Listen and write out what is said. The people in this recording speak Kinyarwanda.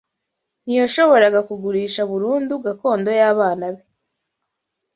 ntiyashoboraga kugurisha burundu gakondo y’abana be